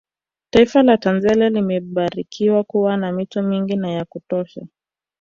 Taifa la Tanzania limebarikiwa kuwa na mito mingi na ya kutosha